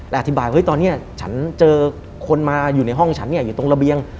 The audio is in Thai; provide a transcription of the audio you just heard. และอธิบายเฮ้ยตอนนี้ฉันเจอคนมาอยู่ในห้องฉันเนี่ยอยู่ตรงระเบียง